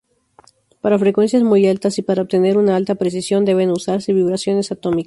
Para frecuencias muy altas y para obtener una alta precisión, deben usarse vibraciones atómicas.